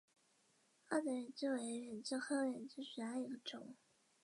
凹籽远志为远志科远志属下的一个种。